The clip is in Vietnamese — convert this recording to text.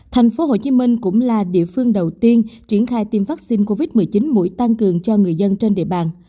thành phố hồ chí minh cũng là địa phương đầu tiên triển khai tiêm vaccine covid một mươi chín mũi tăng cường cho người dân trên địa bàn